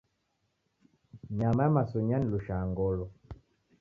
Nyama ya masunya yanilusha ngolo.